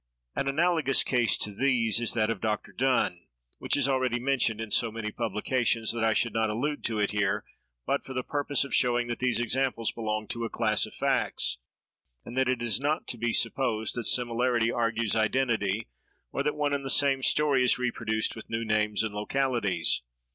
An analogous case to these is that of Dr. Donne,—which is already mentioned in so many publications, that I should not allude to it here but for the purpose of showing that these examples belong to a class of facts, and that it is not to be supposed that similarity argues identity, or that one and the same story is reproduced with new names and localities.